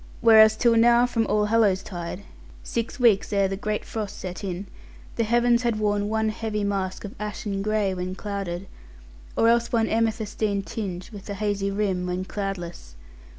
Whereas till now from Allhallows tide, six weeks ere the great frost set in, the heavens had worn one heavy mask of ashen gray when clouded, or else one amethystine tinge with a hazy rim, when cloudless.